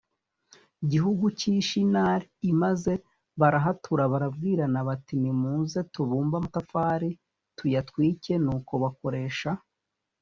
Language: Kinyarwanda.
Gihugu cy i shinari i maze barahatura barabwirana bati nimuze tubumbe amatafari tuyatwike nuko bakoresha